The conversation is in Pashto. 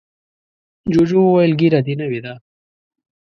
جوجو وویل ږیره دې نوې ده.